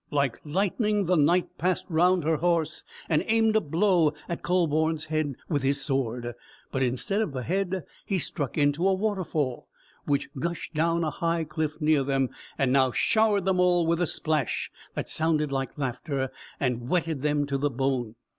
Like lightning the Knight passed round her horse, and aimed a blow at Kühleborn's head with his sword. But instead of the head, he struck into a waterfall, which gushed down a high cliff near them, and now showered them all with a splash that sounded like laughter, and wetted them to the bone.